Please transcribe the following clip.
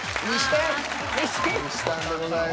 にしたんでございます。